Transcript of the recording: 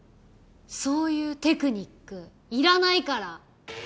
そういうテクニックいらないから！